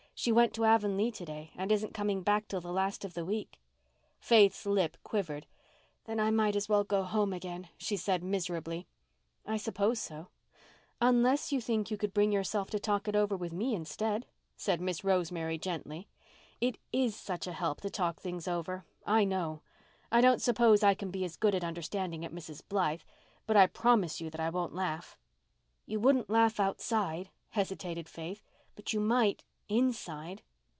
"She went to Avonlea to day and isn't coming back till the last of the week." Faith's lip quivered. "Then I might as well go home again," she said miserably. "I suppose so—unless you think you could bring yourself to talk it over with me instead," said Miss Rosemary gently. "It is such a help to talk things over. I know. I don't suppose I can be as good at understanding as Mrs. Blythe—but I promise you that I won't laugh." "You wouldn't laugh outside," hesitated Faith. "But you might—inside."